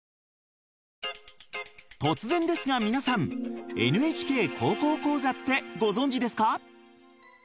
突然ですが皆さん「ＮＨＫ高校講座」ってご存じですか？